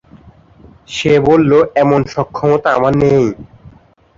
সে বলল, এমন সক্ষমতা আমার নেই।